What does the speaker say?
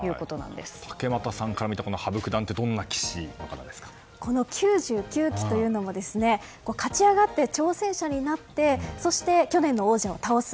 竹俣さんから見て羽生九段ってこの９９期というのも勝ち上がって挑戦者になってそして去年の王者を倒す。